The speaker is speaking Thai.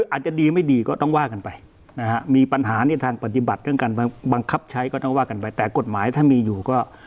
อาจจะพยายามเข้าใจหลักการก่อน